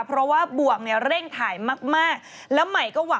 เพราะว่าบ่องเร่งถ่ายมาก